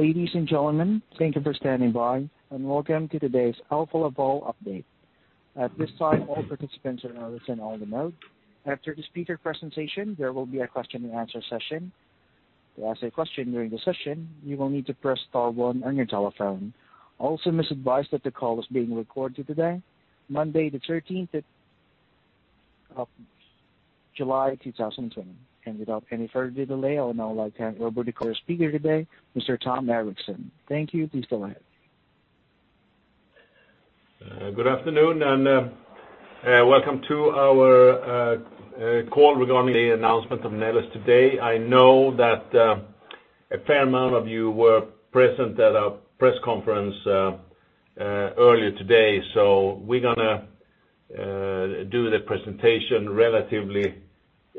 Ladies and gentlemen, thank you for standing by, and welcome to today's Alfa Laval update. At this time, all participants are in listen-only mode. After the speaker presentation, there will be a question-and-answer session. To ask a question during the session, you will need to press star one on your telephone. Also, I must advise that the call is being recorded today, Monday the 13th of July 2020. Without any further delay, I would now like to hand over to our speaker today, Mr. Tom Erixon. Thank you. Please go ahead. Good afternoon. Welcome to our call regarding the announcement of Neles today. I know that a fair amount of you were present at our press conference earlier today. We're going to do the presentation relatively quick,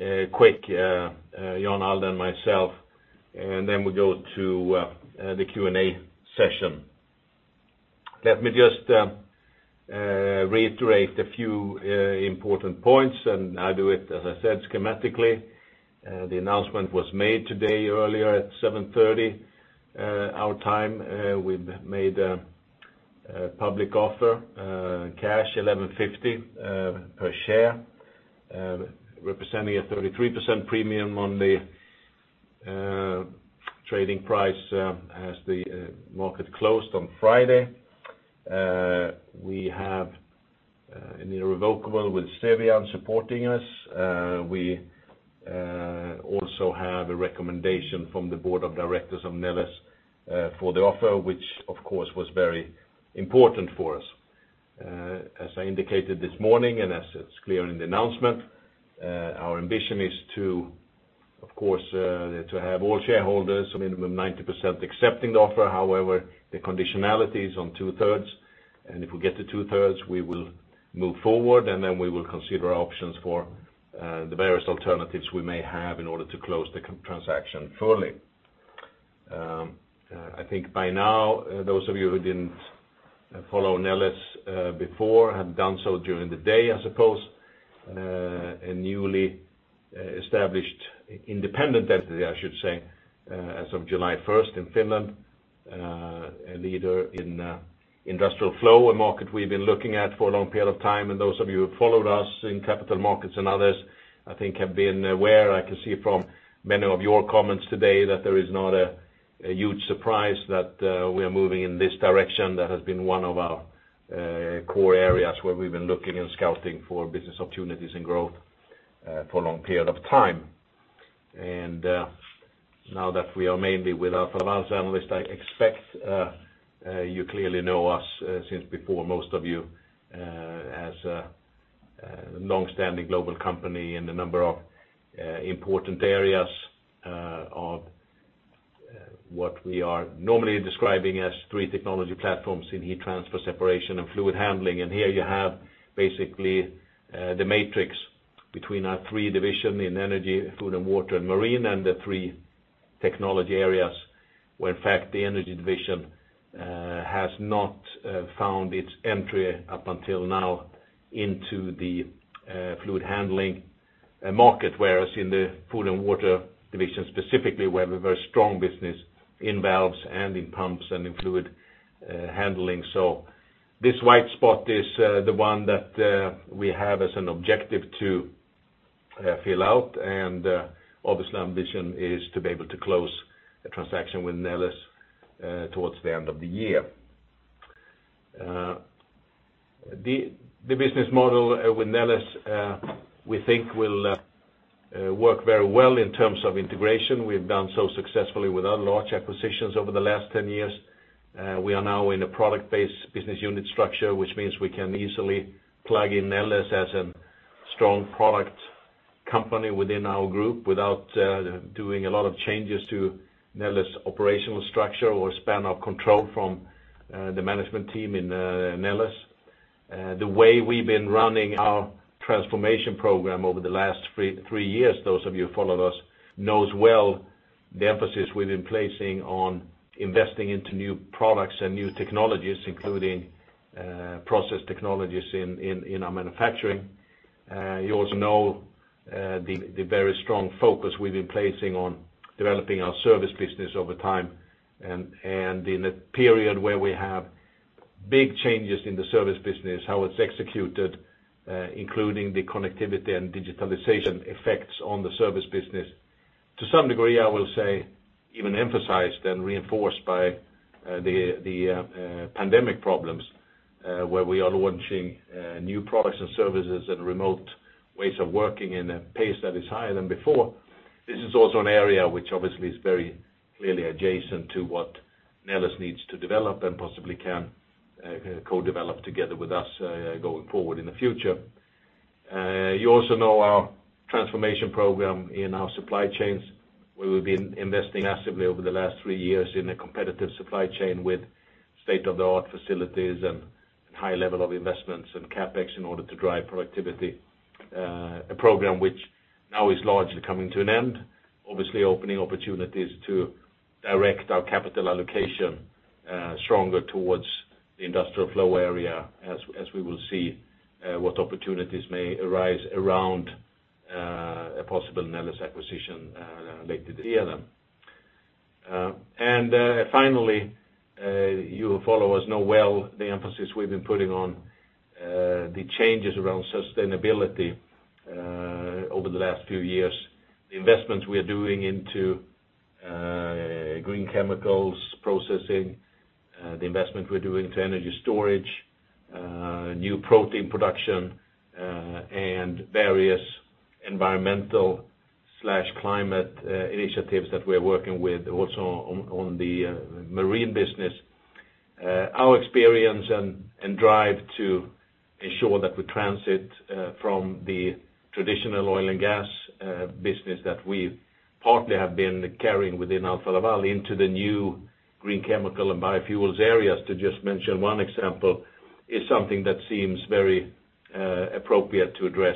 Jan Allde and myself, then we go to the Q&A session. Let me just reiterate a few important points. I'll do it, as I said, schematically. The announcement was made today earlier at 7:30 our time. We've made a public offer, cash €11.50 per share, representing a 33% premium on the trading price as the market closed on Friday. We have an irrevocable with Cevian supporting us. We also have a recommendation from the board of directors of Neles for the offer, which, of course, was very important for us. As I indicated this morning, and as it's clear in the announcement, our ambition is to, of course, to have all shareholders, a minimum 90% accepting the offer. However, the conditionality is on two-thirds, and if we get to two-thirds, we will move forward, and then we will consider options for the various alternatives we may have in order to close the transaction fully. I think by now, those of you who didn't follow Neles before have done so during the day, I suppose. A newly established independent entity, I should say, as of July 1st in Finland, a leader in industrial flow, a market we've been looking at for a long period of time. Those of you who followed us in capital markets and others, I think, have been aware, I can see from many of your comments today that there is not a huge surprise that we are moving in this direction. That has been one of our core areas where we've been looking and scouting for business opportunities and growth for a long period of time. Now that we are mainly with our finance analyst, I expect you clearly know us since before most of you as a long-standing global company in a number of important areas of what we are normally describing as three technology platforms in heat transfer, separation, and fluid handling. Here you have basically the matrix between our three divisions in energy, food & water, and marine, and the three technology areas where, in fact, the energy division has not found its entry up until now into the fluid handling market, whereas in the food & water division specifically, we have a very strong business in valves and in pumps and in fluid handling. This white spot is the one that we have as an objective to fill out, and obviously, our ambition is to be able to close the transaction with Neles towards the end of the year. The business model with Neles we think will work very well in terms of integration. We've done so successfully with our large acquisitions over the last 10 years. We are now in a product-based business unit structure, which means we can easily plug in Neles as a strong product company within our group without doing a lot of changes to Neles' operational structure or span of control from the management team in Neles. The way we've been running our transformation program over the last three years, those of you who followed us knows well the emphasis we've been placing on investing into new products and new technologies, including process technologies in our manufacturing. You also know the very strong focus we've been placing on developing our service business over time, and in a period where we have big changes in the service business, how it's executed, including the connectivity and digitalization effects on the service business. To some degree, I will say, even emphasized and reinforced by the pandemic problems, where we are launching new products and services and remote ways of working in a pace that is higher than before. This is also an area which obviously is very clearly adjacent to what Neles needs to develop and possibly can co-develop together with us going forward in the future. You also know our transformation program in our supply chains. We will be investing massively over the last three years in a competitive supply chain with state-of-the-art facilities and high level of investments and CapEx in order to drive productivity. A program which now is largely coming to an end, obviously opening opportunities to direct our capital allocation stronger towards the industrial flow area as we will see what opportunities may arise around a possible Neles acquisition related to DLM. Finally, you who follow us know well the emphasis we've been putting on the changes around sustainability over the last few years, the investments we are doing into green chemicals processing, the investment we're doing to energy storage, new protein production, and various environmental/climate initiatives that we're working with also on the marine business. Our experience and drive to ensure that we transit from the traditional oil and gas business that we partly have been carrying within Alfa Laval into the new green chemical and biofuels areas, to just mention one example, is something that seems very appropriate to address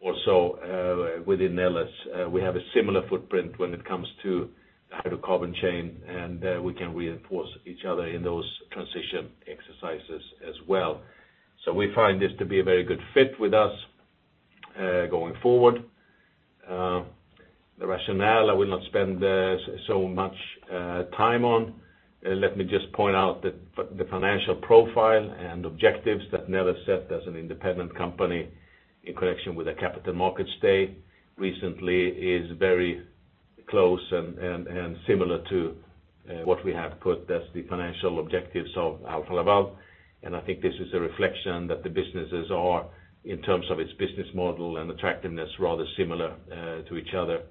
also within Neles. We have a similar footprint when it comes to the hydrocarbon chain, and we can reinforce each other in those transition exercises as well. We find this to be a very good fit with us going forward. The rationale, I will not spend so much time on. Let me just point out that the financial profile and objectives that Neles set as an independent company in connection with a Capital Markets Day recently is very close and similar to what we have put as the financial objectives of Alfa Laval. I think this is a reflection that the businesses are, in terms of its business model and attractiveness, rather similar to each other.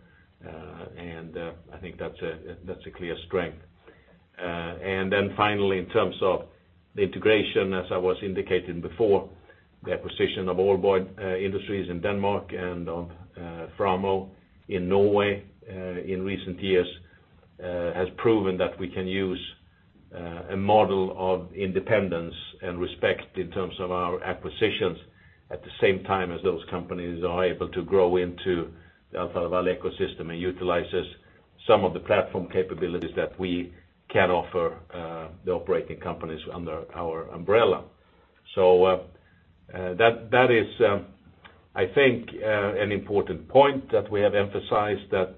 I think that's a clear strength. Finally, in terms of the integration, as I was indicating before, the acquisition of Aalborg Industries in Denmark and of Framo in Norway in recent years has proven that we can use a model of independence and respect in terms of our acquisitions at the same time as those companies are able to grow into the Alfa Laval ecosystem and utilizes some of the platform capabilities that we can offer the operating companies under our umbrella. That is, I think, an important point that we have emphasized that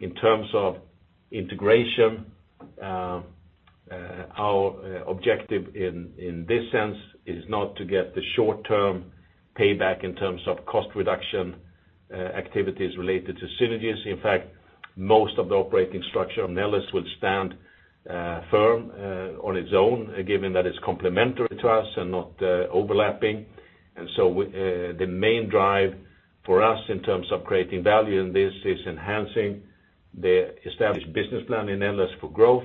in terms of integration, our objective in this sense is not to get the short-term payback in terms of cost reduction activities related to synergies. In fact, most of the operating structure of Neles will stand firm on its own, given that it's complementary to us and not overlapping. The main drive for us in terms of creating value in this is enhancing the established business plan in Neles for growth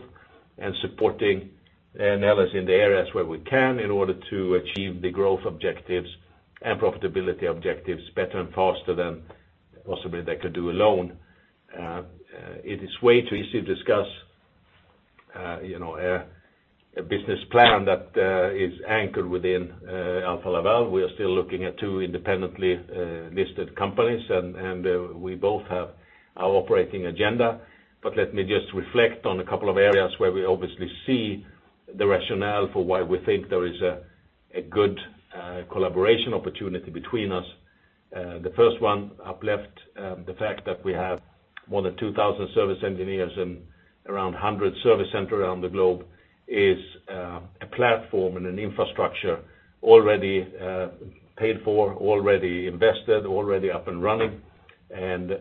and supporting Neles in the areas where we can in order to achieve the growth objectives and profitability objectives better and faster than possibly they could do alone. It is way too easy to discuss a business plan that is anchored within Alfa Laval. We are still looking at two independently listed companies, and we both have our operating agenda. Let me just reflect on a couple of areas where we obviously see the rationale for why we think there is a good collaboration opportunity between us. The first one, up left, the fact that we have more than 2,000 service engineers and around 100 service center around the globe is a platform and an infrastructure already paid for, already invested, already up and running.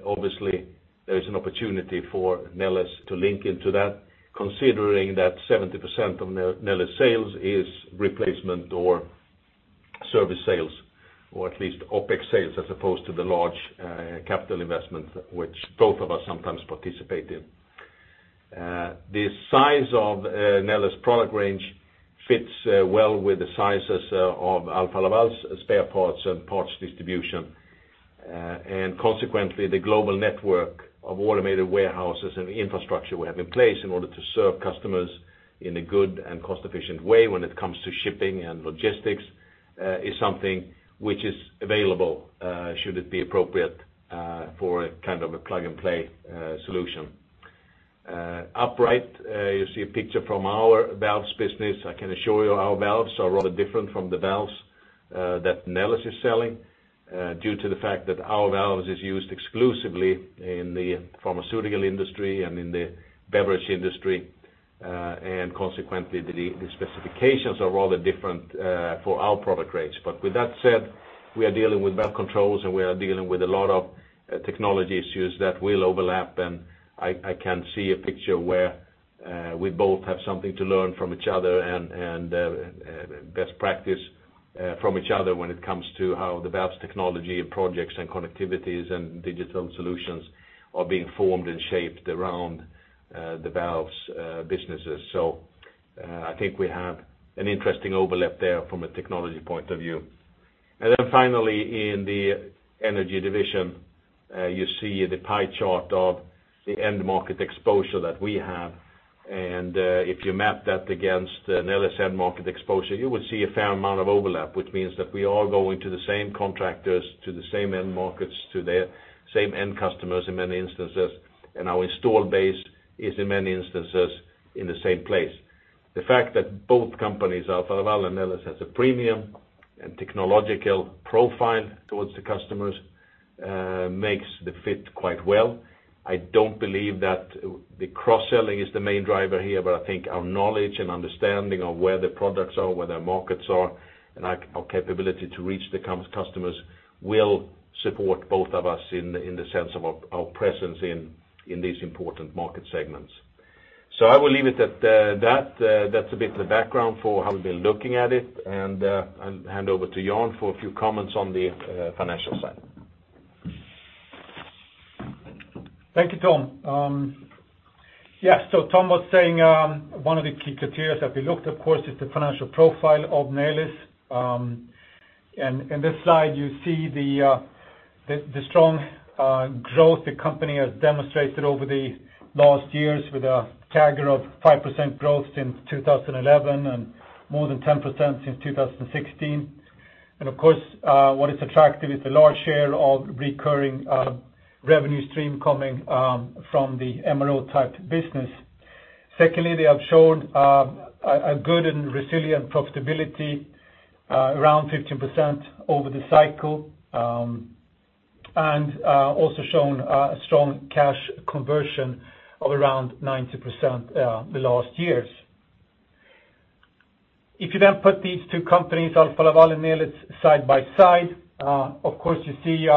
Obviously, there is an opportunity for Neles to link into that, considering that 70% of Neles' sales is replacement or service sales, or at least OpEx sales, as opposed to the large capital investments, which both of us sometimes participate in. The size of Neles' product range fits well with the sizes of Alfa Laval's spare parts and parts distribution. Consequently, the global network of automated warehouses and infrastructure we have in place in order to serve customers in a good and cost-efficient way when it comes to shipping and logistics is something which is available should it be appropriate for a kind of a plug-and-play solution. Upright, you see a picture from our valves business. I can assure you our valves are rather different from the valves that Neles is selling due to the fact that our valves is used exclusively in the pharmaceutical industry and in the beverage industry. Consequently, the specifications are rather different for our product range. With that said, we are dealing with valve controls, and we are dealing with a lot of technology issues that will overlap, and I can see a picture where we both have something to learn from each other and best practice from each other when it comes to how the valves technology and projects and connectivities and digital solutions are being formed and shaped around the valves businesses. I think we have an interesting overlap there from a technology point of view. Finally, in the energy division, you see the pie chart of the end market exposure that we have. If you map that against Neles end market exposure, you would see a fair amount of overlap, which means that we are going to the same contractors, to the same end markets, to the same end customers in many instances, and our install base is in many instances in the same place. The fact that both companies, Alfa Laval and Neles, has a premium and technological profile towards the customers makes the fit quite well. I don't believe that the cross-selling is the main driver here, but I think our knowledge and understanding of where the products are, where their markets are, and our capability to reach the customers will support both of us in the sense of our presence in these important market segments. I will leave it at that. That's a bit of the background for how we've been looking at it, and I'll hand over to Jan Allde for a few comments on the financial side. Thank you, Tom. Tom was saying one of the key criteria that we looked, of course, is the financial profile of Neles. In this slide, you see the strong growth the company has demonstrated over the last years with a CAGR of 5% growth since 2011, and more than 10% since 2016. Of course, what is attractive is the large share of recurring revenue stream coming from the MRO type business. Secondly, they have shown a good and resilient profitability, around 15% over the cycle, and also shown a strong cash conversion of around 90% the last years. If you then put these two companies, Alfa Laval and Neles, side by side, of course you see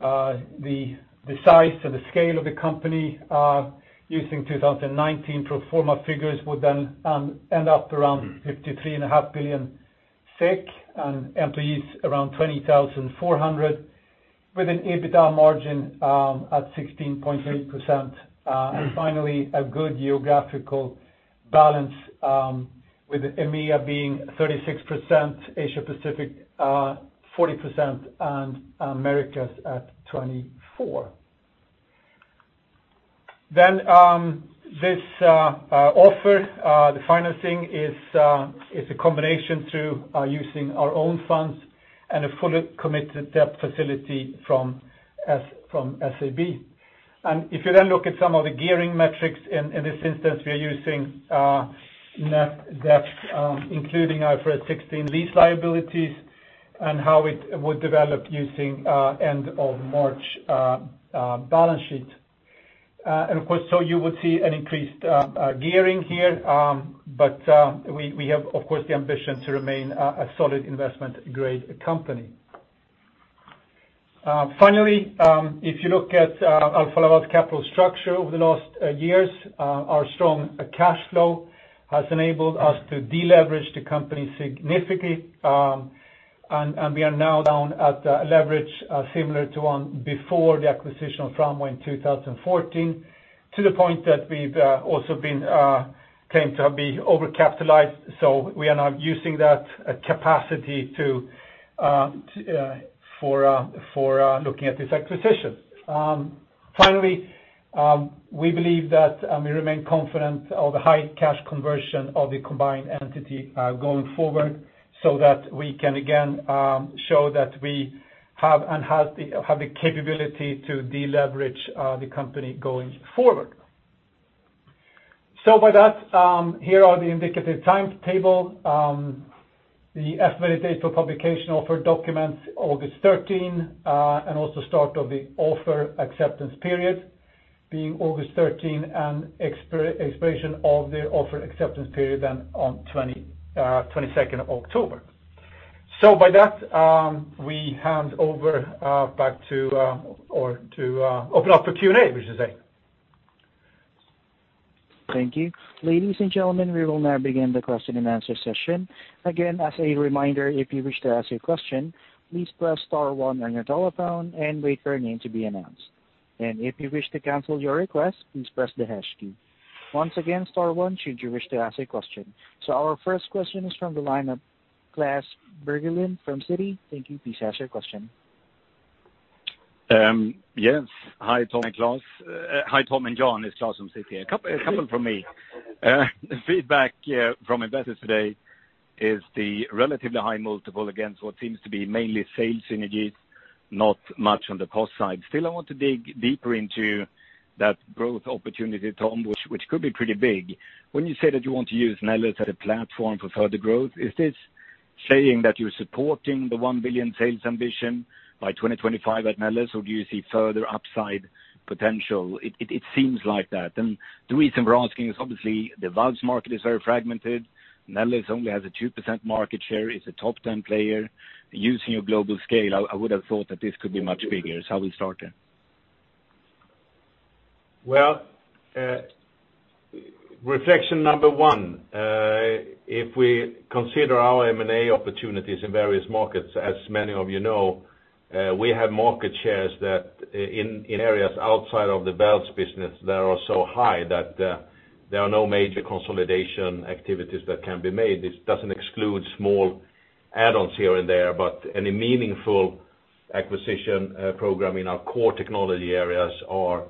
the size or the scale of the company using 2019 pro forma figures would then end up around 53.5 billion SEK, and employees around 20,400, with an EBITDA margin at 16.8%. Finally, a good geographical balance with EMEA being 36%, Asia Pacific 40%, and Americas at 24%. This offer the financing is a combination through using our own funds and a fully committed debt facility from SEB. If you look at some of the gearing metrics, in this instance, we are using net debt including IFRS 16 lease liabilities and how it would develop using end of March balance sheet. Of course, you would see an increased gearing here, but we have, of course, the ambition to remain a solid investment-grade company. Finally, if you look at Alfa Laval's capital structure over the last years, our strong cash flow has enabled us to deleverage the company significantly, and we are now down at a leverage similar to one before the acquisition of Framo in 2014, to the point that we've also been claimed to be overcapitalized. We are now using that capacity for looking at this acquisition. Finally, we believe that we remain confident of the high cash conversion of the combined entity going forward, so that we can again show that we have the capability to deleverage the company going forward. With that, here are the indicative timetable. The estimated date for publication offer documents August 13, and also start of the offer acceptance period being August 13, and expiration of the offer acceptance period then on 22nd October. With that, we hand over back to open up for Q&A, we should say. Thank you. Ladies and gentlemen, we will now begin the question-and-answer session. Again, as a reminder, if you wish to ask a question, please press star one on your telephone and wait for your name to be announced. If you wish to cancel your request, please press the hash key. Once again, star one should you wish to ask a question. Our first question is from the line of Klas Bergelind from Citi. Thank you. Please ask your question. Yes. Hi, Tom and Jan. It's Klas from Citi. A couple from me. The feedback from investors today is the relatively high multiple against what seems to be mainly sales synergies, not much on the cost side. I want to dig deeper into that growth opportunity, Tom, which could be pretty big. When you say that you want to use Neles as a platform for further growth, is this saying that you're supporting the 1 billion sales ambition by 2025 at Neles, or do you see further upside potential? It seems like that. The reason we're asking is obviously the valves market is very fragmented. Neles only has a 2% market share, it's a top 10 player. Using your global scale, I would have thought that this could be much bigger. It's how we started. Well, reflection number one, if we consider our M&A opportunities in various markets, as many of you know, we have market shares that in areas outside of the valves business that are so high that there are no major consolidation activities that can be made. This doesn't exclude small add-ons here and there, but any meaningful acquisition program in our core technology areas are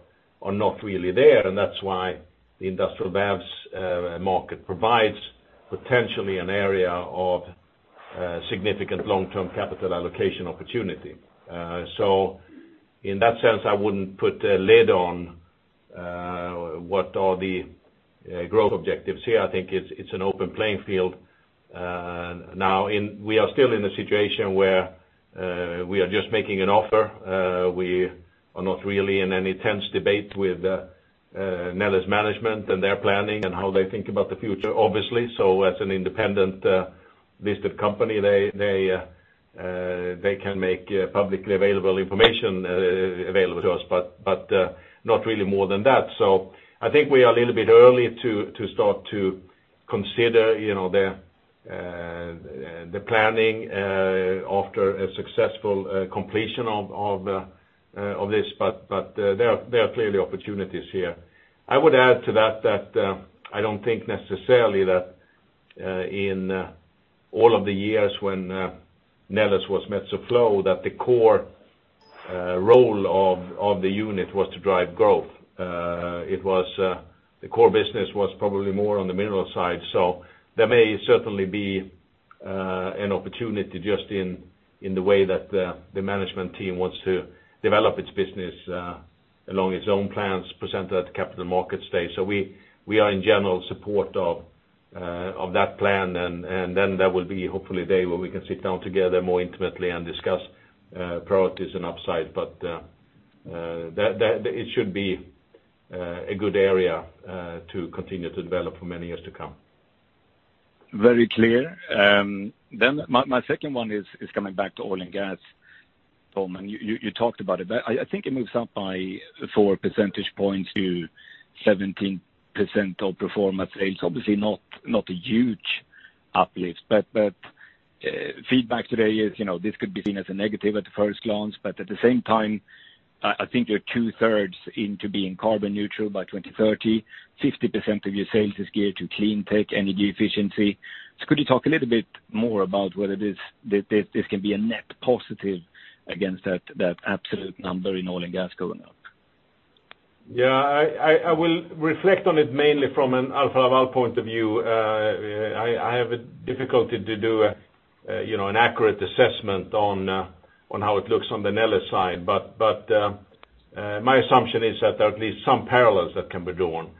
not really there, and that's why the industrial valves market provides potentially an area of a significant long-term capital allocation opportunity. In that sense, I wouldn't put a lid on what are the growth objectives here. I think it's an open playing field. We are still in a situation where we are just making an offer. We are not really in any tense debate with Neles management and their planning and how they think about the future, obviously. As an independent listed company, they can make publicly available information available to us, but not really more than that. I think we are a little bit early to start to consider the planning after a successful completion of this. There are clearly opportunities here. I would add to that I do not think necessarily that in all of the years when Neles was Metso Flow, that the core role of the unit was to drive growth. The core business was probably more on the mineral side. There may certainly be an opportunity just in the way that the management team wants to develop its business along its own plans presented at the Capital Markets Day. We are in general support of that plan. There will be, hopefully, a day where we can sit down together more intimately and discuss priorities and upside. It should be a good area to continue to develop for many years to come. Very clear. My second one is coming back to oil and gas. Tom, you talked about it, but I think it moves up by 4 percentage points to 17% of performance. It is obviously not a huge uplift, but feedback today is, this could be seen as a negative at the first glance. At the same time, I think you are two-thirds into being carbon neutral by 2030. 50% of your sales is geared to clean tech, energy efficiency. Could you talk a little bit more about whether this can be a net positive against that absolute number in oil and gas going up? Yeah. I will reflect on it mainly from an Alfa Laval point of view. I have a difficulty to do an accurate assessment on how it looks on the Neles side. My assumption is that there are at least some parallels that can be drawn.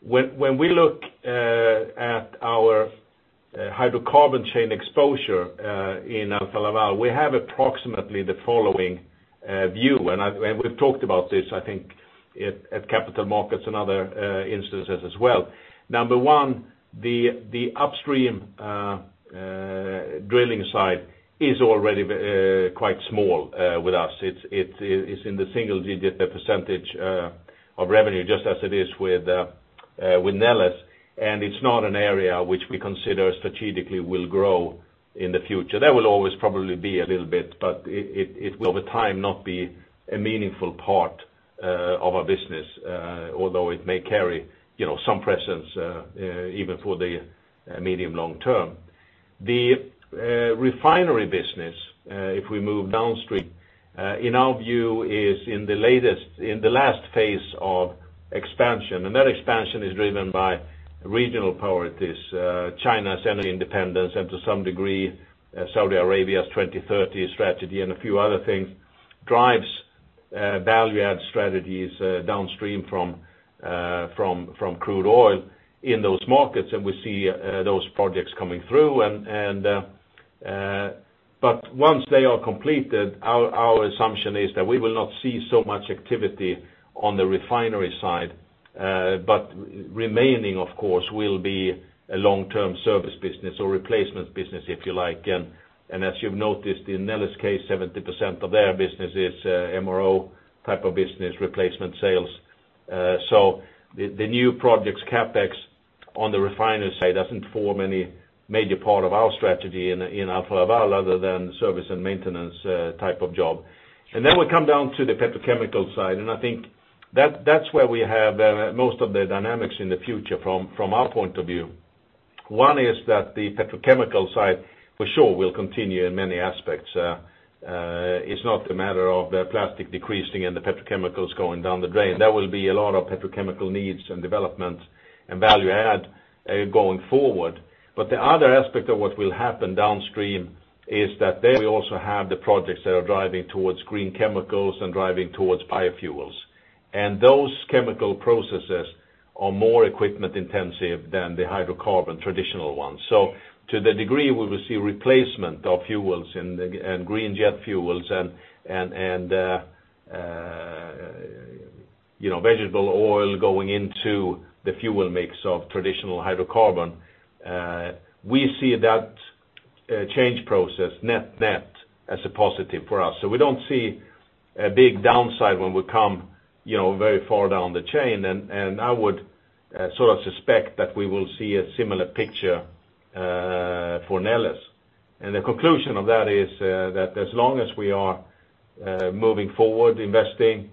When we look at our hydrocarbon chain exposure in Alfa Laval, we have approximately the following view. We've talked about this, I think, at Capital Markets and other instances as well. Number one, the upstream drilling side is already quite small with us. It's in the single-digit % of revenue, just as it is with Neles. It's not an area which we consider strategically will grow in the future. There will always probably be a little bit, but it will, over time, not be a meaningful part of our business, although it may carry some presence even for the medium long term. The refinery business, if we move downstream, in our view, is in the last phase of expansion, and that expansion is driven by regional priorities. China's energy independence, and to some degree, Saudi Arabia's 2030 strategy and a few other things, drives value add strategies downstream from crude oil in those markets, and we see those projects coming through. Once they are completed, our assumption is that we will not see so much activity on the refinery side. Remaining, of course, will be a long-term service business or replacement business, if you like. As you've noticed, in Neles' case, 70% of their business is MRO type of business, replacement sales. The new projects CapEx on the refinery side doesn't form any major part of our strategy in Alfa Laval other than service and maintenance type of job. Then we come down to the petrochemicals side, and I think that's where we have most of the dynamics in the future from our point of view. One is that the petrochemicals side for sure will continue in many aspects. It's not a matter of the plastic decreasing and the petrochemicals going down the drain. There will be a lot of petrochemical needs and development and value add going forward. The other aspect of what will happen downstream is that there we also have the projects that are driving towards green chemicals and driving towards biofuels. Those chemical processes are more equipment intensive than the hydrocarbon traditional ones. To the degree we will see replacement of fuels and green jet fuels and vegetable oil going into the fuel mix of traditional hydrocarbon, we see that change process net as a positive for us. We don't see a big downside when we come very far down the chain. I would suspect that we will see a similar picture for Neles. The conclusion of that is that as long as we are moving forward, investing,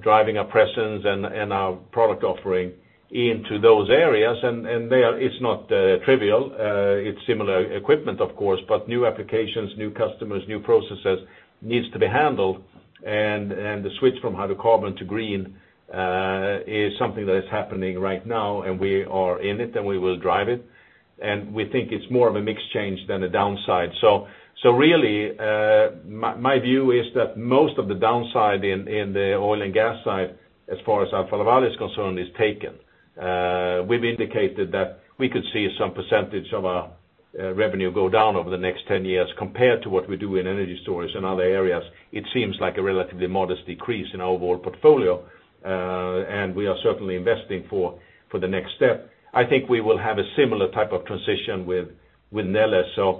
driving our presence and our product offering into those areas, there it's not trivial. It's similar equipment, of course, but new applications, new customers, new processes needs to be handled. The switch from hydrocarbon to green is something that is happening right now, and we are in it, and we will drive it. We think it's more of a mix change than a downside. Really, my view is that most of the downside in the oil and gas side, as far as Alfa Laval is concerned, is taken. We've indicated that we could see some percentage of our revenue go down over the next 10 years compared to what we do in energy storage and other areas. It seems like a relatively modest decrease in our overall portfolio. We are certainly investing for the next step. I think we will have a similar type of transition with Neles.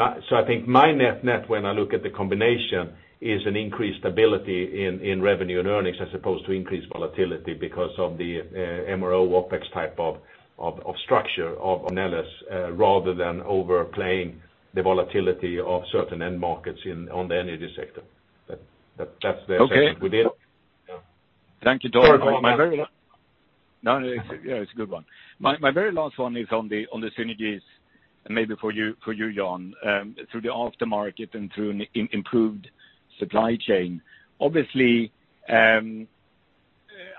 I think my net-net, when I look at the combination, is an increased stability in revenue and earnings as opposed to increased volatility because of the MRO OpEx type of structure of Neles, rather than overplaying the volatility of certain end markets on the energy sector. That's the assessment we did. Okay. Thank you, Tom. Sorry for my very la-- No, it's a good one. My very last one is on the synergies, maybe for you, Jan, through the aftermarket and through an improved supply chain. Obviously,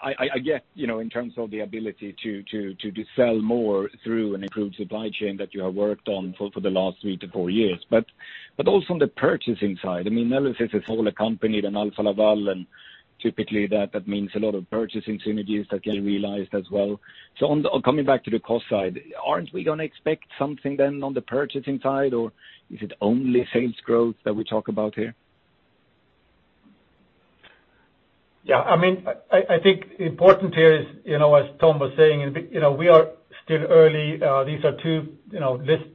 I get in terms of the ability to sell more through an improved supply chain that you have worked on for the last three to four years. Also on the purchasing side, Neles is its own company than Alfa Laval, and typically that means a lot of purchasing synergies that get realized as well. Coming back to the cost side, aren't we going to expect something then on the purchasing side, or is it only sales growth that we talk about here? Yeah. I think important here is, as Tom was saying, we are still early. These are two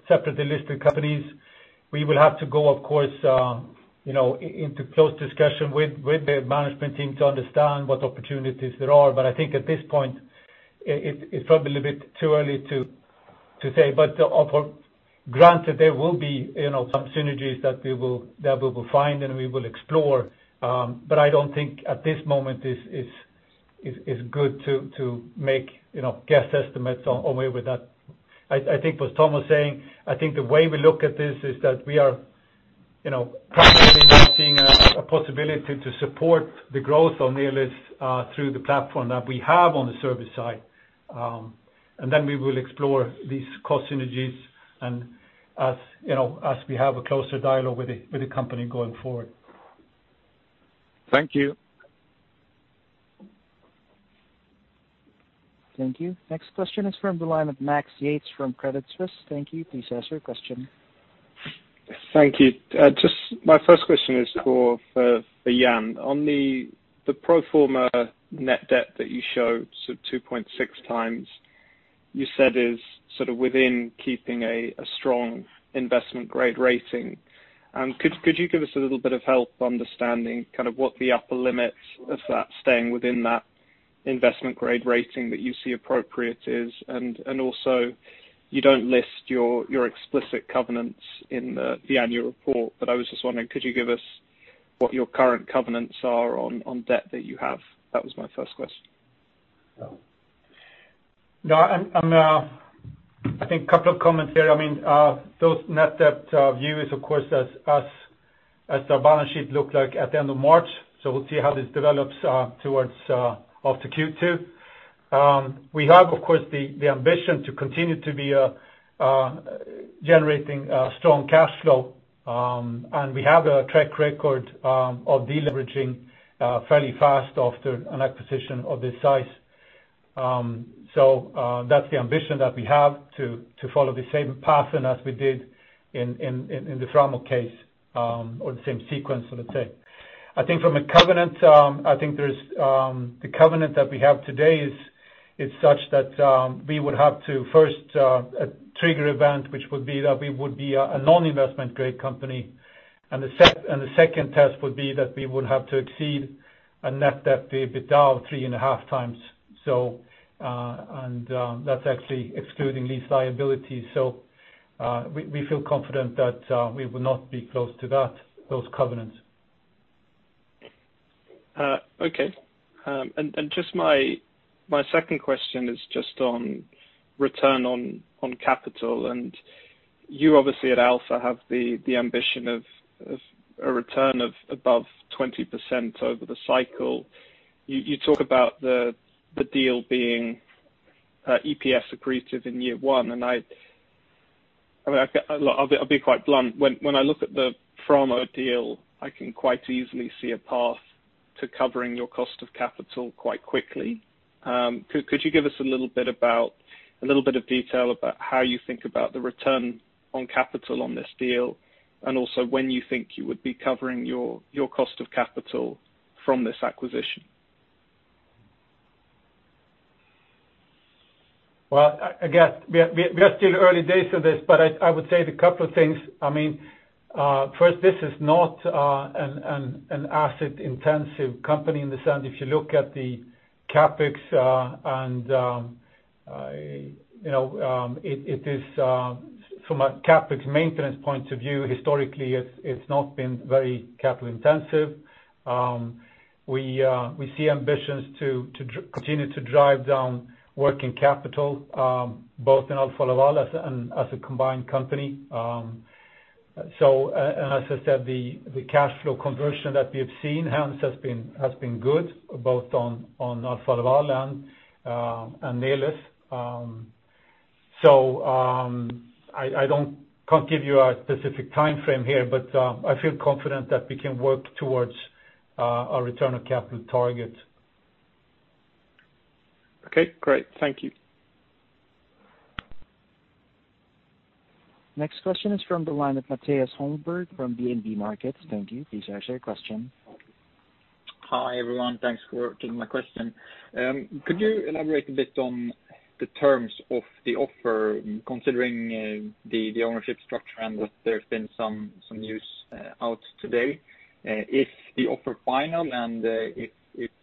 separately listed companies. We will have to go, of course, into close discussion with the management team to understand what opportunities there are. I think at this point, it's probably a bit too early to say. Granted, there will be some synergies that we will find and we will explore. I don't think at this moment it's good to make guess estimates away with that. I think what Tom was saying, I think the way we look at this is that we are practically seeing a possibility to support the growth of Neles through the platform that we have on the service side. We will explore these cost synergies and as we have a closer dialogue with the company going forward. Thank you. Thank you. Next question is from the line of Max Yates from Credit Suisse. Thank you. Please ask your question. Thank you. Just my first question is for Jan. On the pro forma net debt that you show, so 2.6 times, you said is within keeping a strong investment grade rating. Could you give us a little bit of help understanding what the upper limits of that staying within that investment grade rating that you see appropriate is? Also you don't list your explicit covenants in the annual report, but I was just wondering, could you give us what your current covenants are on debt that you have? That was my first question. I think a couple of comments there. Those net debt view is, of course, as the balance sheet looked like at the end of March. We'll see how this develops towards after Q2. We have, of course, the ambition to continue to be generating a strong cash flow, and we have a track record of deleveraging fairly fast after an acquisition of this size. That's the ambition that we have to follow the same pattern as we did in the Framo case or the same sequence, let's say. I think from a covenant, the covenant that we have today is such that we would have to first trigger event, which would be that we would be a non-investment grade company. The second test would be that we would have to exceed a net debt EBITDA of three and a half times. That's actually excluding lease liability. We feel confident that we will not be close to that, those covenants. Okay. Just my second question is just on return on capital. You obviously at Alfa have the ambition of a return of above 20% over the cycle. You talk about the deal being EPS accretive in year one. I'll be quite blunt. When I look at the Framo deal, I can quite easily see a path to covering your cost of capital quite quickly. Could you give us a little bit of detail about how you think about the return on capital on this deal, and also when you think you would be covering your cost of capital from this acquisition? Well, again, we are still early days of this, I would say the couple of things. First, this is not an asset intensive company in the sense if you look at the CapEx, from a CapEx maintenance point of view, historically, it's not been very capital intensive. We see ambitions to continue to drive down working capital, both in Alfa Laval and as a combined company. As I said, the cash flow conversion that we have seen hence has been good both on Alfa Laval and Neles. I can't give you a specific timeframe here, but I feel confident that we can work towards our return on capital target. Okay, great. Thank you. Next question is from the line of Mattias Holmberg from DNB Markets. Thank you. Please ask your question. Hi, everyone. Thanks for taking my question. Could you elaborate a bit on the terms of the offer, considering the ownership structure and that there's been some news out today? Is the offer final, if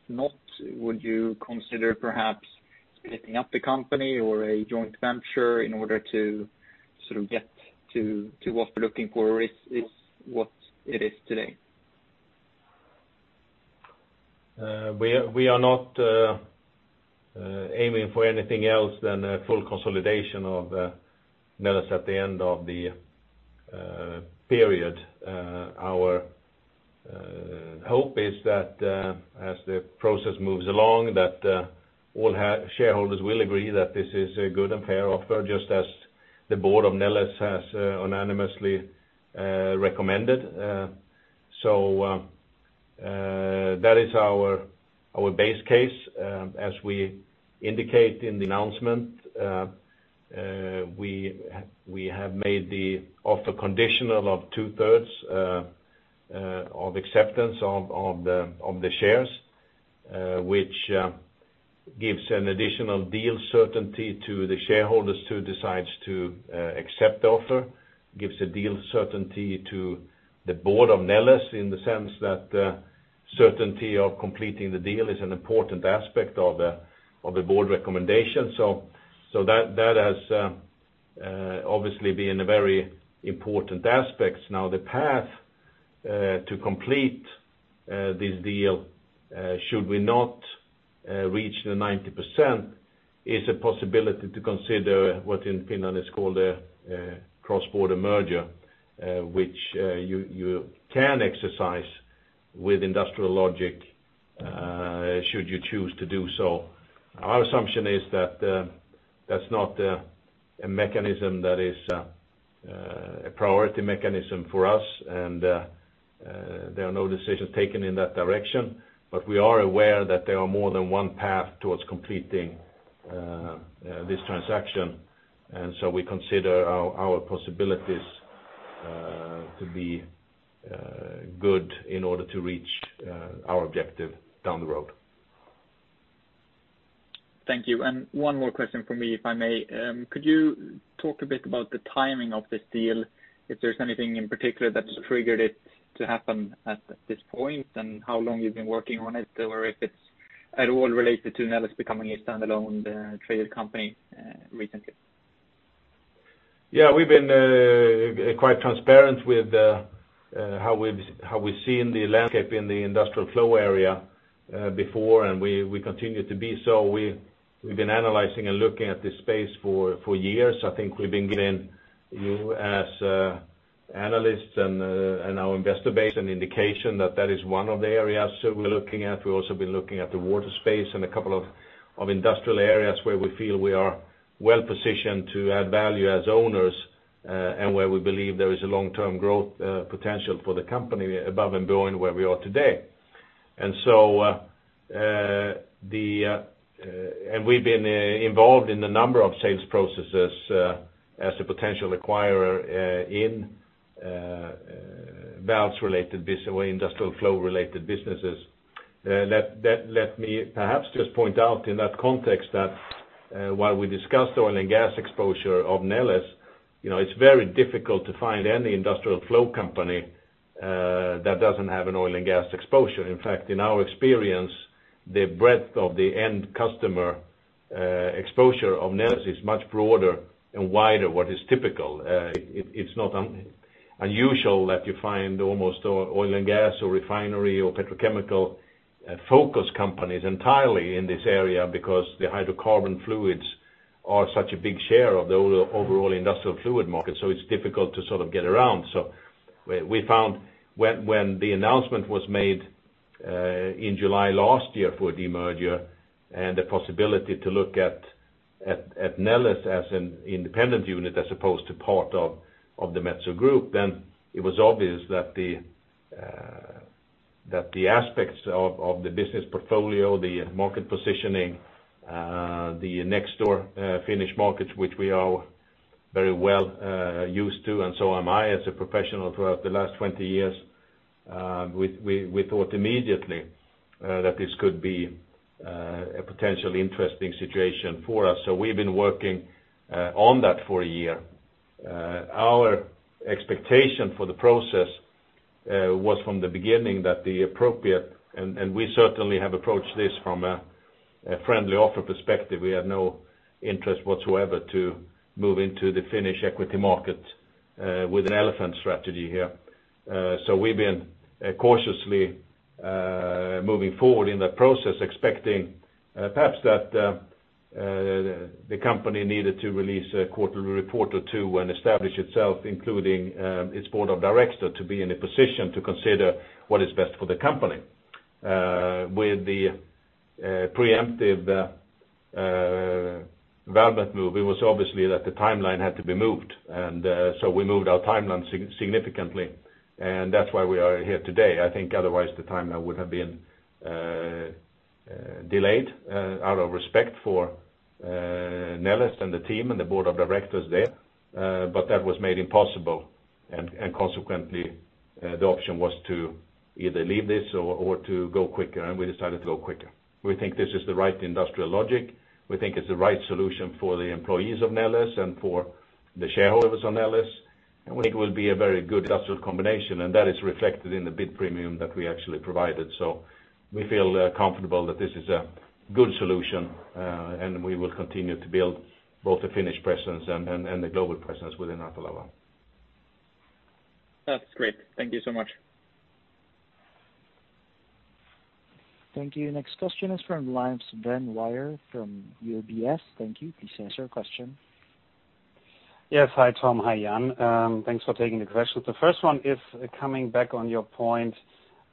not, would you consider perhaps splitting up the company or a joint venture in order to sort of get to what we're looking for, or is what it is today? We are not aiming for anything else than a full consolidation of Neles at the end of the period. Our hope is that as the process moves along, that all shareholders will agree that this is a good and fair offer, just as the board of Neles has unanimously recommended. That is our base case. As we indicate in the announcement, we have made the offer conditional of two-thirds of acceptance of the shares, which gives an additional deal certainty to the shareholders who decide to accept the offer. It gives a deal certainty to the board of Neles in the sense that certainty of completing the deal is an important aspect of the board recommendation. That has obviously been a very important aspect. The path to complete this deal, should we not reach the 90%, is a possibility to consider what in Finland is called a cross-border merger, which you can exercise with industrial logic, should you choose to do so. Our assumption is that that's not a mechanism that is a priority mechanism for us, and there are no decisions taken in that direction. We are aware that there are more than one path towards completing this transaction, and so we consider our possibilities to be good in order to reach our objective down the road. Thank you. One more question from me, if I may. Could you talk a bit about the timing of this deal, if there's anything in particular that's triggered it to happen at this point, and how long you've been working on it, or if it's at all related to Neles becoming a standalone traded company recently? Yeah, we've been quite transparent with how we've seen the landscape in the industrial flow area before, and we continue to be so. We've been analyzing and looking at this space for years. I think we've been giving you as analysts and our investor base an indication that that is one of the areas we're looking at. We've also been looking at the water space and a couple of industrial areas where we feel we are well-positioned to add value as owners, and where we believe there is a long-term growth potential for the company above and beyond where we are today. We've been involved in a number of sales processes as a potential acquirer in valves-related business or industrial flow-related businesses. Let me perhaps just point out in that context that while we discussed oil and gas exposure of Neles, it's very difficult to find any industrial flow company that doesn't have an oil and gas exposure. In our experience, the breadth of the end customer exposure of Neles is much broader and wider what is typical. It's not unusual that you find almost oil and gas or refinery or petrochemical focus companies entirely in this area because the hydrocarbon fluids are such a big share of the overall industrial fluid market, so it's difficult to sort of get around. We found when the announcement was made in July last year for demerger and the possibility to look at Neles as an independent unit as opposed to part of the Metso group, then it was obvious that the aspects of the business portfolio, the market positioning, the next door Finnish markets, which we are very well used to, and so am I as a professional throughout the last 20 years, we thought immediately that this could be a potentially interesting situation for us. We've been working on that for a year. Our expectation for the process was from the beginning that we certainly have approached this from a friendly offer perspective. We have no interest whatsoever to move into the Finnish equity market with an elephant strategy here. We've been cautiously moving forward in that process, expecting perhaps that the company needed to release a quarterly report or two and establish itself, including its board of directors, to be in a position to consider what is best for the company. With the preemptive Valmet move, it was obviously that the timeline had to be moved, and so we moved our timeline significantly, and that's why we are here today. I think otherwise the timeline would have been delayed out of respect for Neles and the team and the board of directors there. That was made impossible, and consequently, the option was to either leave this or to go quicker, and we decided to go quicker. We think this is the right industrial logic. We think it's the right solution for the employees of Neles and for the shareholders of Neles, and we think it will be a very good industrial combination, and that is reflected in the bid premium that we actually provided. We feel comfortable that this is a good solution, and we will continue to build both a Finnish presence and the global presence within Alfa Laval. That's great. Thank you so much. Thank you. Next question is from Sven Weier from UBS. Thank you. Please state your question. Yes. Hi, Tom. Hi, Jan Allde. Thanks for taking the questions. The first one is coming back on your point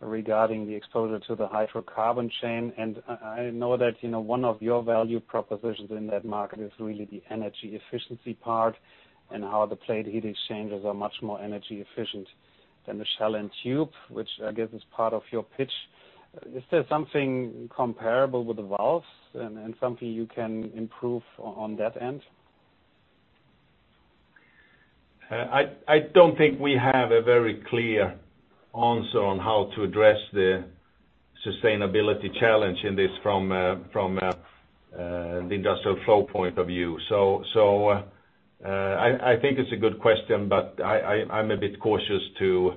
regarding the exposure to the hydrocarbon chain. I know that one of your value propositions in that market is really the energy efficiency part and how the plate heat exchangers are much more energy efficient than the shell-and-tube, which I guess is part of your pitch. Is there something comparable with the valves and something you can improve on that end? I don't think we have a very clear answer on how to address the sustainability challenge in this from the industrial flow point of view. I think it's a good question, but I'm a bit cautious to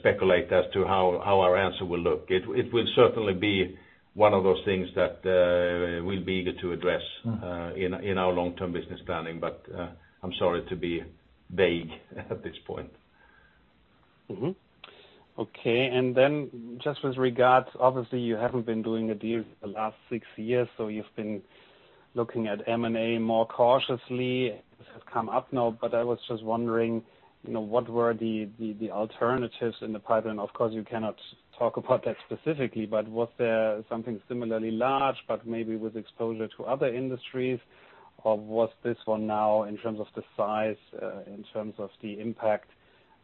speculate as to how our answer will look. It will certainly be one of those things that we'll be eager to address in our long-term business planning. I'm sorry to be vague at this point. Mm-hmm. Okay. Just with regards, obviously, you haven't been doing a deal the last six years, so you've been looking at M&A more cautiously. This has come up now, but I was just wondering, what were the alternatives in the pipeline? Of course, you cannot talk about that specifically, but was there something similarly large, but maybe with exposure to other industries, or was this one now, in terms of the size, in terms of the impact,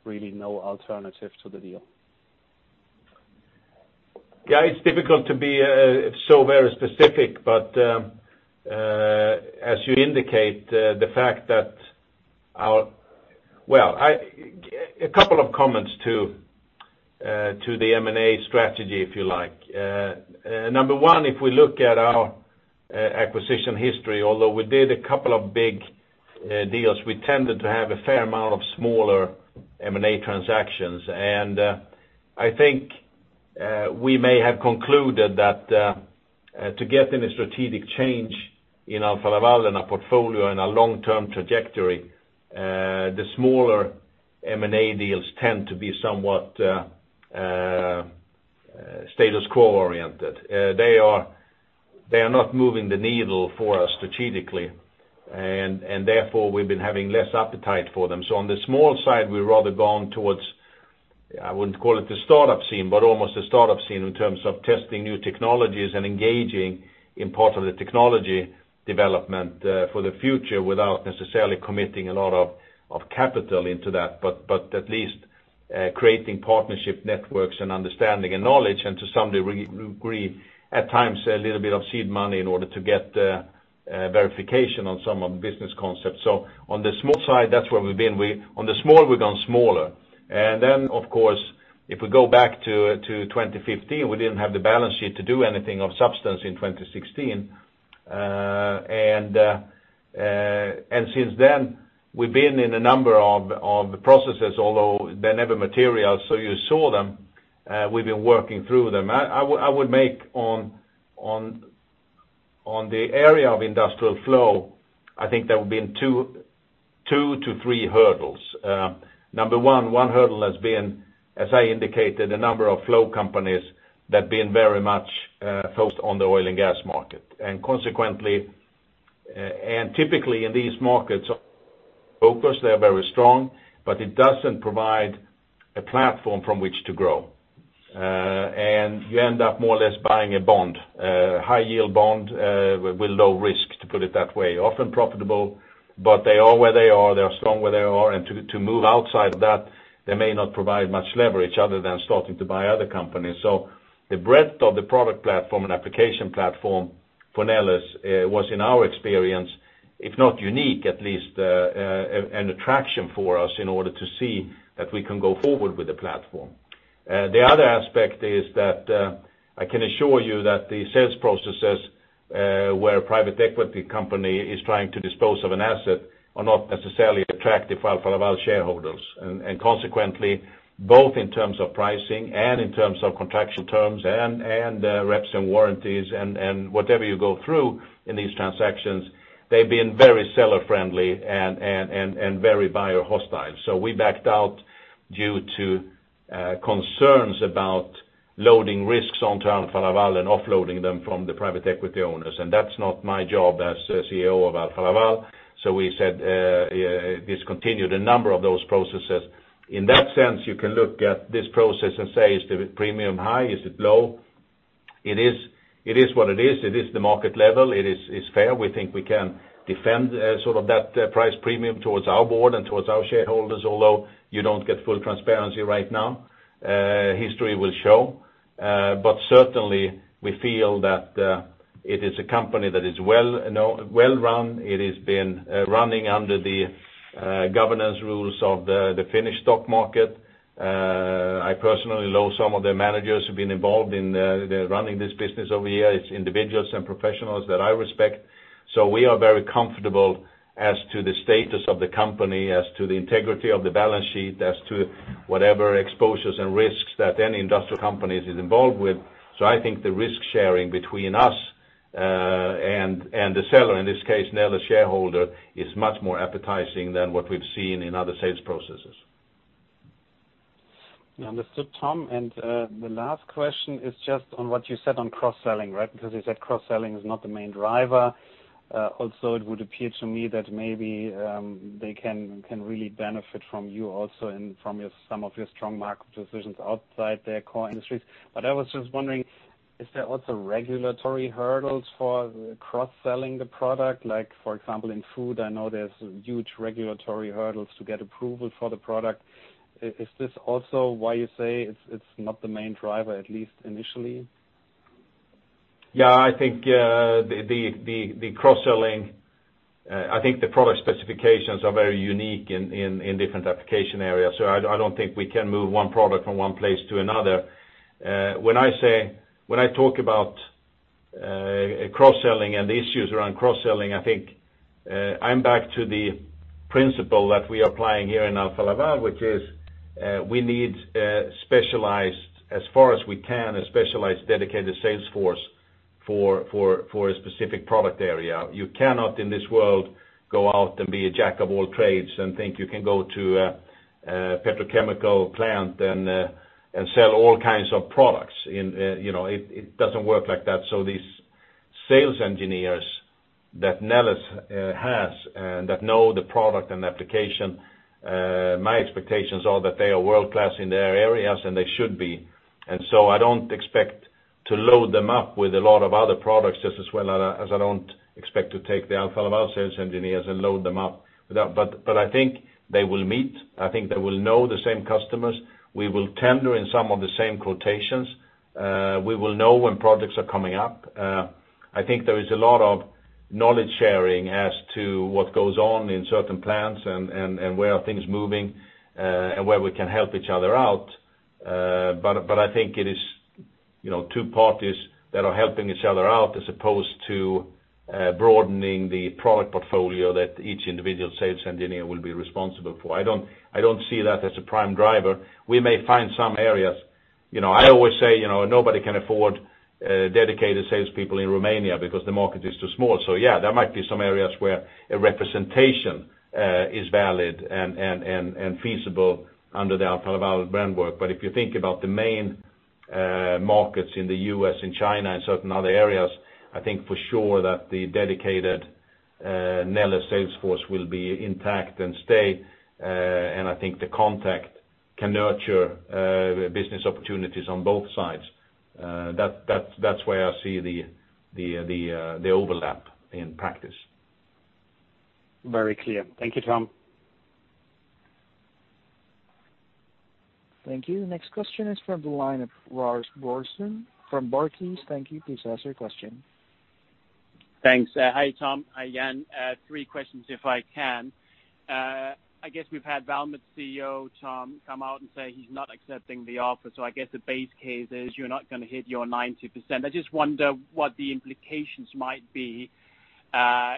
really no alternative to the deal? Yeah, it is difficult to be so very specific. As you indicate, the fact that a couple of comments to the M&A strategy, if you like. Number one, if we look at our acquisition history, although we did a couple of big deals, we tended to have a fair amount of smaller M&A transactions. I think we may have concluded that to get any strategic change in Alfa Laval and our portfolio and our long-term trajectory, the smaller M&A deals tend to be somewhat status quo oriented. They are not moving the needle for us strategically, and therefore, we've been having less appetite for them. On the small side, we've rather gone towards, I wouldn't call it the startup scene, but almost a startup scene in terms of testing new technologies and engaging in part of the technology development for the future without necessarily committing a lot of capital into that, but at least creating partnership networks and understanding and knowledge, and to some degree, at times, a little bit of seed money in order to get verification on some of the business concepts. On the small side, that's where we've been. On the small, we've gone smaller. Of course, if we go back to 2015, we didn't have the balance sheet to do anything of substance in 2016. Since then, we've been in a number of processes, although they're never material. You saw them. We've been working through them. I would make on the area of industrial flow, I think there have been two to three hurdles. Number one hurdle has been, as I indicated, a number of flow companies that have been very much focused on the oil and gas market. Consequently, and typically in these markets, focused, they are very strong, but it doesn't provide a platform from which to grow. You end up more or less buying a bond, a high-yield bond with low risk, to put it that way. Often profitable, but they are where they are, they are strong where they are. To move outside of that, they may not provide much leverage other than starting to buy other companies. The breadth of the product platform and application platform for Neles was in our experience, if not unique, at least an attraction for us in order to see that we can go forward with the platform. The other aspect is that I can assure you that the sales processes where a private equity company is trying to dispose of an asset are not necessarily attractive for Alfa Laval shareholders. Consequently, both in terms of pricing and in terms of contractual terms and reps and warranties and whatever you go through in these transactions, they've been very seller-friendly and very buyer-hostile. We backed out due to concerns about loading risks onto Alfa Laval and offloading them from the private equity owners, and that's not my job as CEO of Alfa Laval, we discontinued a number of those processes. In that sense, you can look at this process and say, "Is the premium high? Is it low?" It is what it is. It is the market level. It is fair. We think we can defend that price premium towards our board and towards our shareholders. You don't get full transparency right now. History will show. Certainly, we feel that it is a company that is well-run. It has been running under the governance rules of the Finnish stock market. I personally know some of the managers who've been involved in the running this business over the years, individuals and professionals that I respect. We are very comfortable as to the status of the company, as to the integrity of the balance sheet, as to whatever exposures and risks that any industrial company is involved with. I think the risk-sharing between us, and the seller, in this case, Neles shareholder, is much more appetizing than what we've seen in other sales processes. Understood, Tom. The last question is just on what you said on cross-selling, right? Because you said cross-selling is not the main driver. It would appear to me that maybe they can really benefit from you also and from some of your strong market positions outside their core industries. I was just wondering, is there also regulatory hurdles for cross-selling the product? Like for example, in food, I know there's huge regulatory hurdles to get approval for the product. Is this also why you say it's not the main driver, at least initially? Yeah. I think the cross-selling, I think the product specifications are very unique in different application areas. I don't think we can move one product from one place to another. When I talk about cross-selling and the issues around cross-selling, I think, I'm back to the principle that we are applying here in Alfa Laval, which is, we need a specialized, as far as we can, a specialized dedicated sales force for a specific product area. You cannot, in this world, go out and be a jack of all trades and think you can go to a petrochemical plant and sell all kinds of products. It doesn't work like that. These sales engineers that Neles has, that know the product and application, my expectations are that they are world-class in their areas, and they should be. I don't expect to load them up with a lot of other products, just as well as I don't expect to take the Alfa Laval sales engineers and load them up. I think they will meet. I think they will know the same customers. We will tender in some of the same quotations. We will know when projects are coming up. I think there is a lot of knowledge-sharing as to what goes on in certain plants, and where are things moving, and where we can help each other out. I think it is two parties that are helping each other out as opposed to broadening the product portfolio that each individual sales engineer will be responsible for. I don't see that as a prime driver. We may find some areas. I always say, nobody can afford dedicated sales people in Romania because the market is too small. Yeah, there might be some areas where a representation is valid and feasible under the Alfa Laval brand work. If you think about the main markets in the U.S., in China, and certain other areas, I think for sure that the dedicated Neles sales force will be intact and stay. I think the contact can nurture business opportunities on both sides. That's where I see the overlap in practice. Very clear. Thank you, Tom. Thank you. The next question is from the line of Lars Boersen from Barclays. Thank you. Please ask your question. Thanks. Hi, Tom. Hi, Jan. Three questions, if I can. I guess we've had Valmet's CEO, Tom, come out and say he's not accepting the offer. I guess the base case is you're not going to hit your 90%. I just wonder what the implications might be,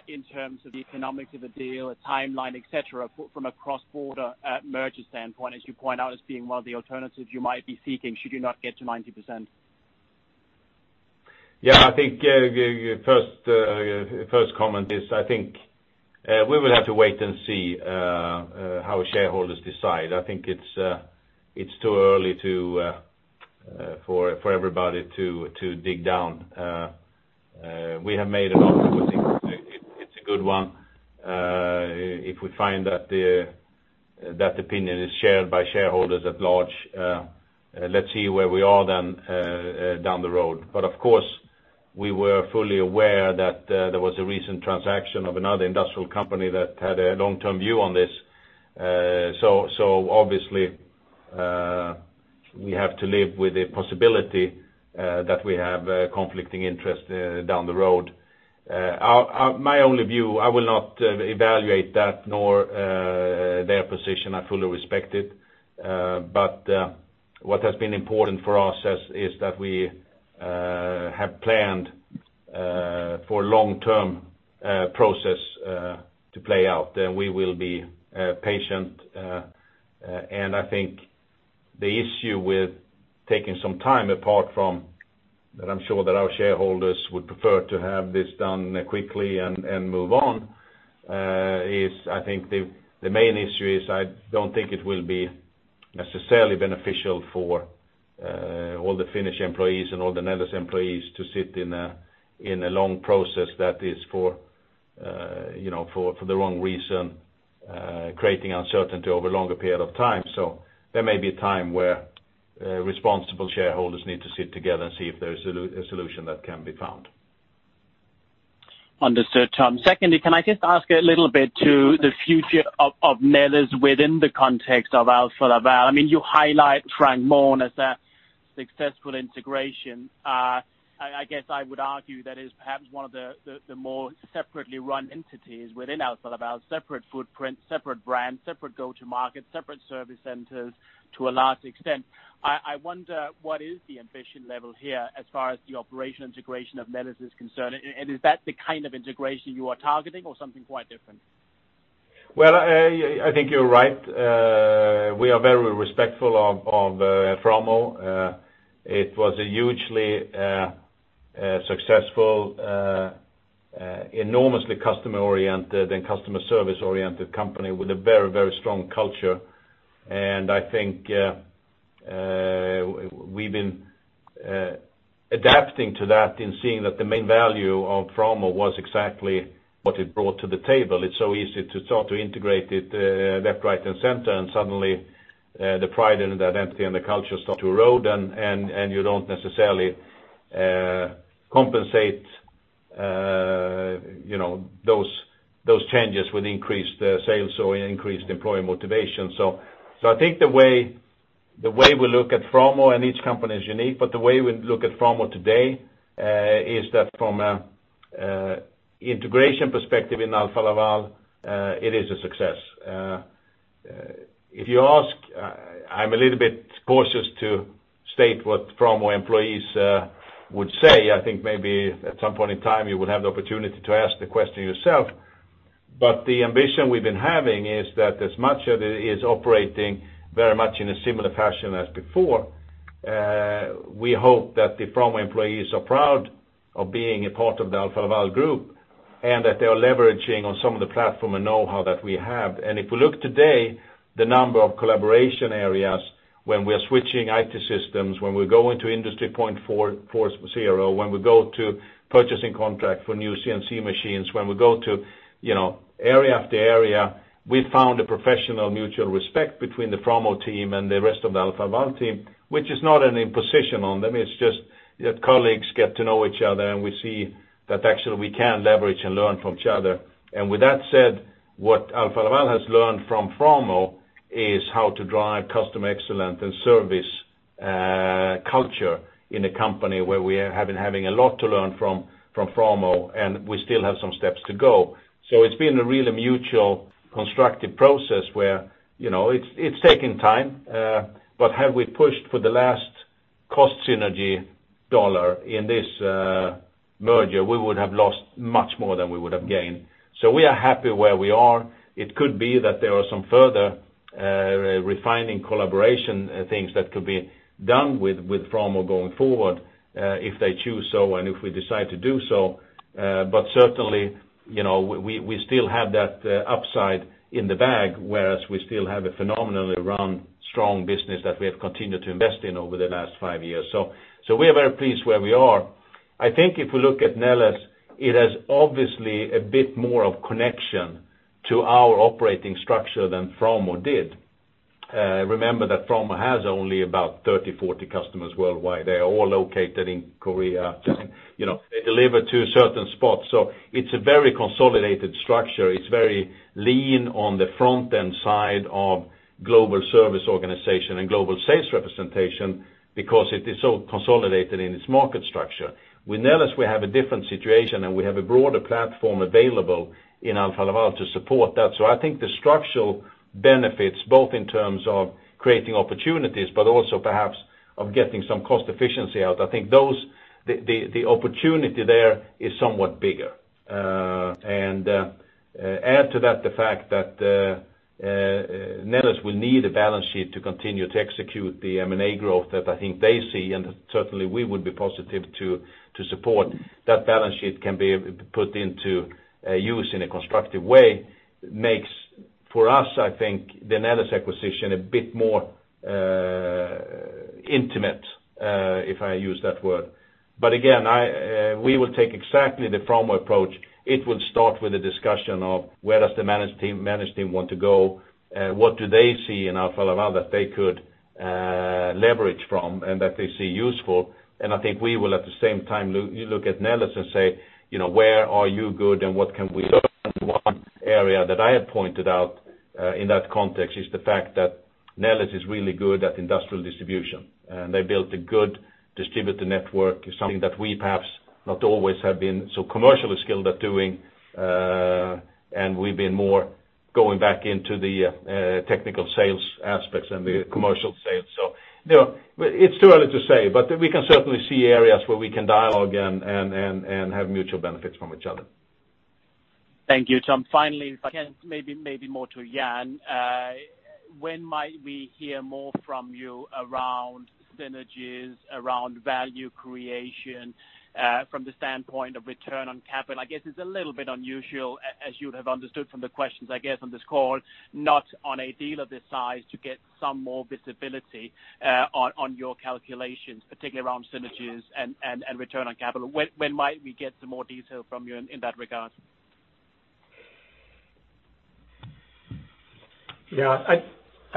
in terms of the economics of the deal, the timeline, et cetera, from a cross-border merger standpoint, as you point out as being one of the alternatives you might be seeking should you not get to 90%. I think first comment is, we will have to wait and see how shareholders decide. I think it's too early for everybody to dig down. We have made an offer. We think it's a good one. If we find that opinion is shared by shareholders at large, let's see where we are then down the road. Of course, we were fully aware that there was a recent transaction of another industrial company that had a long-term view on this. Obviously, we have to live with the possibility that we have conflicting interest down the road. My only view, I will not evaluate that nor their position. I fully respect it. What has been important for us is that we have planned for long-term process to play out, and we will be patient. I think the issue with taking some time apart from that I'm sure that our shareholders would prefer to have this done quickly and move on is, I think, the main issue is I don't think it will be necessarily beneficial for all the Finnish employees and all the Neles employees to sit in a long process that is for the wrong reason, creating uncertainty over a longer period of time. There may be a time where responsible shareholders need to sit together and see if there's a solution that can be found. Understood, Tom. Secondly, can I just ask a little bit to the future of Neles within the context of Alfa Laval? You highlight Framo as a successful integration. I guess I would argue that is perhaps one of the more separately run entities within Alfa Laval. Separate footprint, separate brand, separate go-to market, separate service centers to a large extent. I wonder what is the ambition level here as far as the operational integration of Neles is concerned, and is that the kind of integration you are targeting or something quite different? Well, I think you're right. We are very respectful of Framo. It was a hugely successful, enormously customer-oriented and customer service-oriented company with a very strong culture. I think we've been adapting to that in seeing that the main value of Framo was exactly what it brought to the table. It's so easy to start to integrate it left, right, and center, and suddenly the pride and the identity and the culture start to erode, and you don't necessarily compensate those changes with increased sales or increased employee motivation. I think the way we look at Framo, and each company is unique, but the way we look at Framo today is that from an integration perspective in Alfa Laval, it is a success. If you ask, I'm a little bit cautious to state what Framo employees would say. I think maybe at some point in time you would have the opportunity to ask the question yourself. The ambition we've been having is that as much of it is operating very much in a similar fashion as before, we hope that the Framo employees are proud of being a part of the Alfa Laval Group, and that they are leveraging on some of the platform and know-how that we have. If we look today, the number of collaboration areas when we're switching IT systems, when we go into Industry 4.0, when we go to purchasing contract for new CNC machines, when we go to area after area, we found a professional mutual respect between the Framo team and the rest of the Alfa Laval team, which is not an imposition on them. It's just that colleagues get to know each other, and we see that actually we can leverage and learn from each other. With that said, what Alfa Laval has learned from Framo is how to drive customer excellence and service culture in a company where we have been having a lot to learn from Framo, and we still have some steps to go. It's been a really mutual constructive process where it's taking time. Had we pushed for the last cost synergy dollar in this merger, we would have lost much more than we would have gained. We are happy where we are. It could be that there are some further refining collaboration things that could be done with Framo going forward, if they choose so, and if we decide to do so. Certainly, we still have that upside in the bag, whereas we still have a phenomenally run strong business that we have continued to invest in over the last five years. We are very pleased where we are. I think if we look at Neles, it has obviously a bit more of connection to our operating structure than Framo did. Remember that Framo has only about 30, 40 customers worldwide. They are all located in Korea. They deliver to a certain spot. It's a very consolidated structure. It's very lean on the front-end side of global service organization and global sales representation because it is so consolidated in its market structure. With Neles, we have a different situation, and we have a broader platform available in Alfa Laval to support that. I think the structural benefits, both in terms of creating opportunities, but also perhaps of getting some cost efficiency out, I think the opportunity there is somewhat bigger. Add to that the fact that Neles will need a balance sheet to continue to execute the M&A growth that I think they see, and certainly we would be positive to support. That balance sheet can be put into use in a constructive way, makes for us, I think, the Neles acquisition a bit more intimate, if I use that word. Again, we will take exactly the Framo approach. It will start with a discussion of where does the managed team want to go? What do they see in Alfa Laval that they could leverage from, and that they see useful? I think we will at the same time look at Neles and say, "Where are you good and what can we learn?" One area that I have pointed out in that context is the fact that Neles is really good at industrial distribution, and they built a good distributor network. It's something that we perhaps not always have been so commercially skilled at doing, and we've been more going back into the technical sales aspects than the commercial sales. It's too early to say, but we can certainly see areas where we can dialogue and have mutual benefits from each other. Thank you, Tom. Finally, if I can, maybe more to Jan, when might we hear more from you around synergies, around value creation from the standpoint of return on capital? I guess it's a little bit unusual, as you have understood from the questions, I guess, on this call, not on a deal of this size to get some more visibility on your calculations, particularly around synergies and return on capital. When might we get some more detail from you in that regard? Yeah. I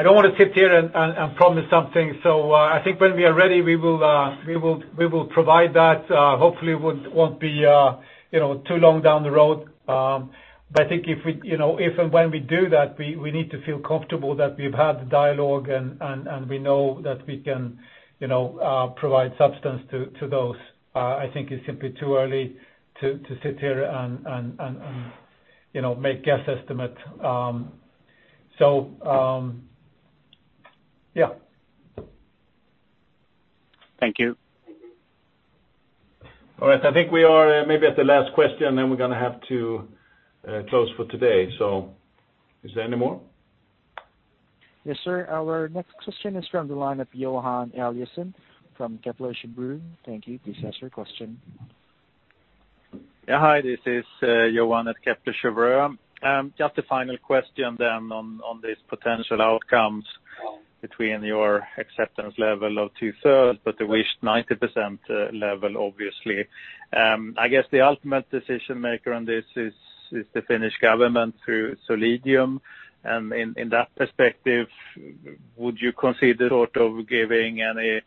don't want to sit here and promise something. I think when we are ready, we will provide that. Hopefully it won't be too long down the road. I think if and when we do that, we need to feel comfortable that we've had the dialogue, and we know that we can provide substance to those. I think it's simply too early to sit here and make guess estimate. Yeah. Thank you. All right. I think we are maybe at the last question, then we're going to have to close for today. Is there any more? Yes, sir. Our next question is from the line of Johan Eliason from Kepler Cheuvreux. Thank you. Please ask your question. Yeah. Hi, this is Johan at Kepler Cheuvreux. Just a final question then on these potential outcomes between your acceptance level of two-thirds, but the wished 90% level, obviously. I guess the ultimate decision-maker on this is the Finnish government through Solidium. In that perspective, would you consider sort of giving any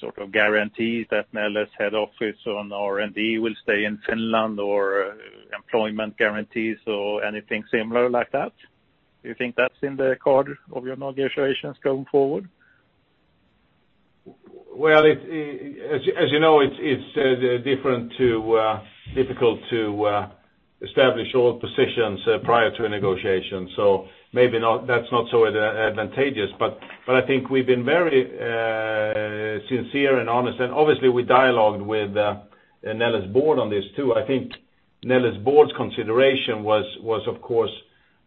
sort of guarantees that Neles head office on R&D will stay in Finland or employment guarantees or anything similar like that? Do you think that's in the card of your negotiations going forward? Well, as you know, it's difficult to establish all positions prior to a negotiation, so maybe that's not so advantageous. I think we've been very sincere and honest, and obviously we dialogued with Neles board on this too. I think Neles board's consideration was, of course,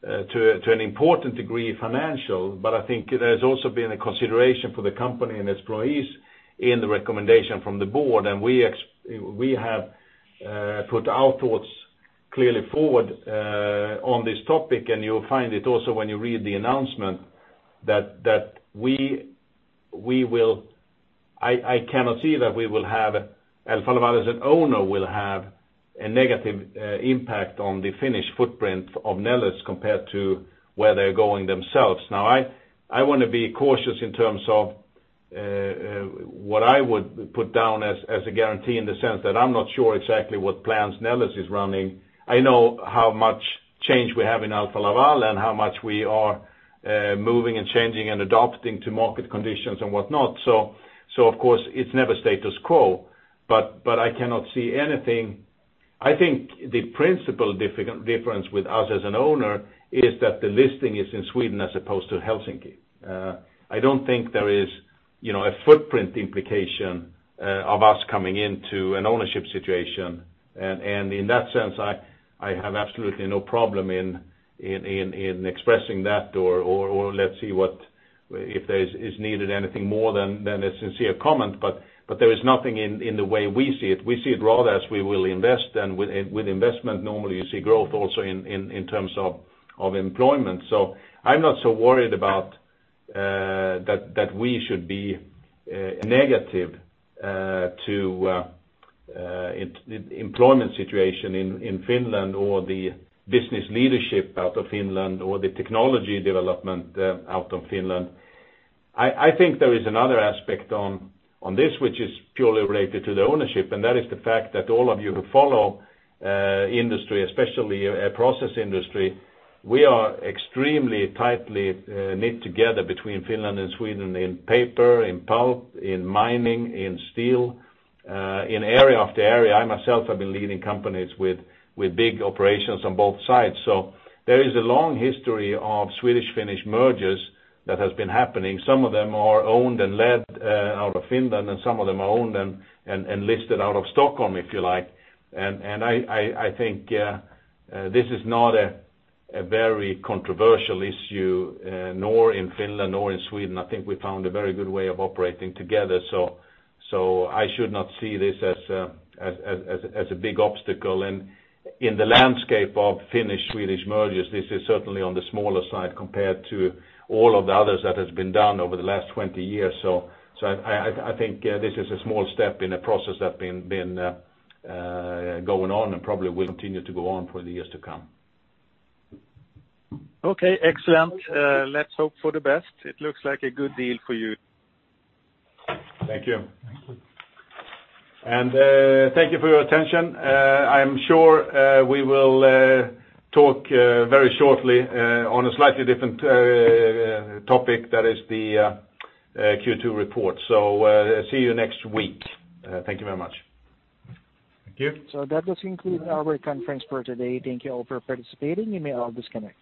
to an important degree, financial, but I think there's also been a consideration for the company and its employees in the recommendation from the board. We have put our thoughts clearly forward on this topic, and you'll find it also when you read the announcement that I cannot see that Alfa Laval as an owner will have a negative impact on the Finnish footprint of Neles compared to where they're going themselves. Now, I want to be cautious in terms of what I would put down as a guarantee in the sense that I'm not sure exactly what plans Neles is running. I know how much change we have in Alfa Laval and how much we are moving and changing and adapting to market conditions and whatnot. Of course, it's never status quo, but I cannot see anything. I think the principle difference with us as an owner is that the listing is in Sweden as opposed to Helsinki. I don't think there is a footprint implication of us coming into an ownership situation. In that sense, I have absolutely no problem in expressing that, or let's see if there is needed anything more than a sincere comment, but there is nothing in the way we see it. We see it rather as we will invest. With investment, normally you see growth also in terms of employment. I'm not so worried about that we should be a negative to employment situation in Finland or the business leadership out of Finland or the technology development out of Finland. I think there is another aspect on this, which is purely related to the ownership, and that is the fact that all of you who follow industry, especially process industry, we are extremely tightly knit together between Finland and Sweden in paper, in pulp, in mining, in steel, in area after area. I myself have been leading companies with big operations on both sides. There is a long history of Swedish-Finnish mergers that has been happening. Some of them are owned and led out of Finland, and some of them are owned and listed out of Stockholm, if you like. I think this is not a very controversial issue, nor in Finland, nor in Sweden. I think we found a very good way of operating together. I should not see this as a big obstacle. In the landscape of Finnish-Swedish mergers, this is certainly on the smaller side compared to all of the others that has been done over the last 20 years. I think this is a small step in a process that been going on and probably will continue to go on for the years to come. Okay, excellent. Let's hope for the best. It looks like a good deal for you. Thank you. Thank you for your attention. I'm sure we will talk very shortly on a slightly different topic, that is the Q2 report. See you next week. Thank you very much. Thank you. That does conclude our conference for today. Thank you all for participating. You may all disconnect.